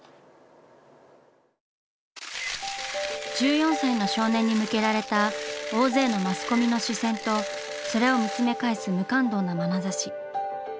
１４歳の少年に向けられた大勢のマスコミの視線とそれを見つめ返す無感動なまなざし。